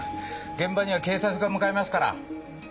現場には警察が向かいますから。